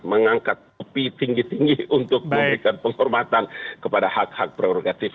mengangkat kopi tinggi tinggi untuk memberikan penghormatan kepada hak hak prerogatif